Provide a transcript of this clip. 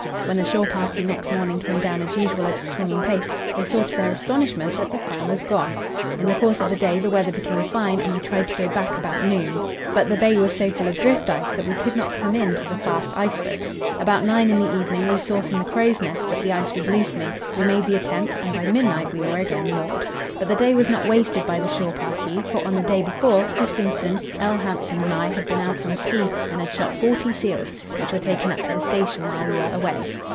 When the shore party next morning came down as usual at a swinging pace, they saw to their astonishment that the Fram was gone. In the course of the day the weather became fine, and we tried to go back about noon; but the bay was so full of drift ice that we could not come in to the fast ice foot. About nine in the evening we saw from the crow's nest that the ice was loosening; we made the attempt, and by midnight we were again moored. But the day was not wasted by the shore party, for on the day before Kristensen, L. Hansen and I had been out on ski and had shot forty seals, which were taken up to the station while we were away.